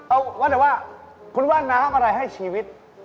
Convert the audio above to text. เอาว่าแต่ว่าคุณว่างน้ำอะไรให้ชีวิต